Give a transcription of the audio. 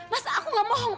mas aku enggak bohong